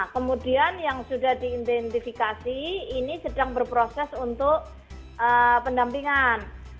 kemudian yang sudah diidentifikasi ini sedang berproses untuk pendampingan